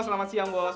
selamat siang bos